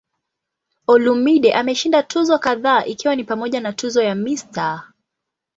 Olumide ameshinda tuzo kadhaa ikiwa ni pamoja na tuzo ya "Mr.